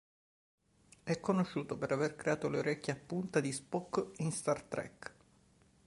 È conosciuto per aver creato le orecchie a punta di Spock in Star Trek.